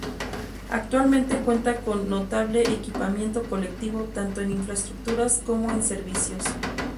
Actualmente cuenta con notable equipamiento colectivo, tanto en infraestructuras como en servicios.